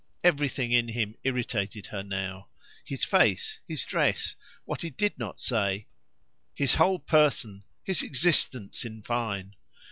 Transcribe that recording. Everything in him irritated her now; his face, his dress, what he did not say, his whole person, his existence, in fine.